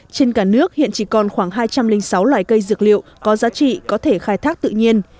trên cả nước hiện chỉ còn khoảng hai trăm linh sáu loài cây dược liệu có giá trị có thể khai thác tự nhiên